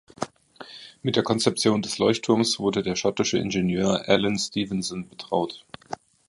Mit der Konzeption des Leuchtturms wurde der schottische Ingenieur Alan Stevenson betraut.